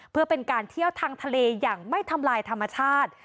เพื่อเป็นการเที่ยวทางทะเลอย่างไม่ทำลายธรรมชาติ